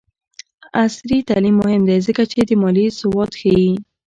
عصري تعلیم مهم دی ځکه چې د مالي سواد ښيي.